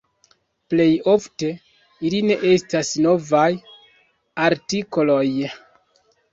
Plej ofte ili ne estas novaj artikoloj.